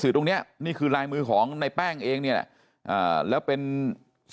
สือตรงนี้นี่คือลายมือของในแป้งเองเนี่ยแล้วเป็นสิ่ง